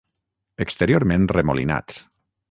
Exteriorment remolinats.